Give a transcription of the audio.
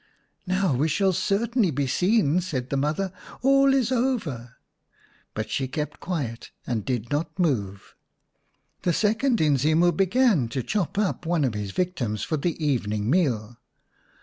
" Now we shall certainly be seen/' said the mother ; "all is over." But she kept quiet, and did not move. The second Inzimu began 73 The Three Little Egg! VII to chop up one of his victims for the evening meal.